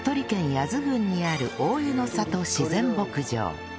八頭郡にある大江ノ郷自然牧場